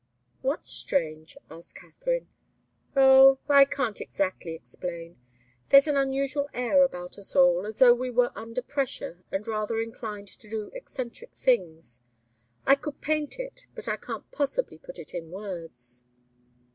"What's strange?" asked Katharine. "Oh I can't exactly explain. There's an unusual air about us all, as though we were under pressure and rather inclined to do eccentric things. I could paint it, but I can't possibly put it in words."